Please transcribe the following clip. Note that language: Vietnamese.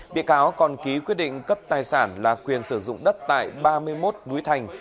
bị cáo còn ký quyết định cấp tài sản là quyền sử dụng đất tại ba mươi một núi thành